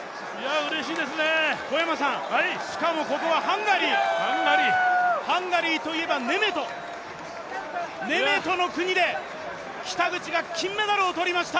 しかも、ここはハンガリー、ハンガリーといえばネメト、ネメトの国で金メダルを取りました。